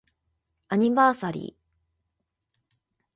アニバーサリー